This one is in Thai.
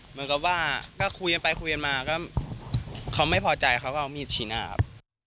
เหมือนกับว่าก็คุยกันไปคุยกันมาก็เขาไม่พอใจเขาก็เอามีดชี้หน้าครับ